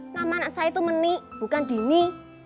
nama anak saya itu menik bukan dini